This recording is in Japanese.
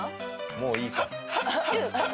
もういいから。